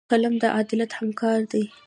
قلم د عدالت همکار دی